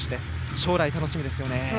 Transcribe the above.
将来楽しみですね。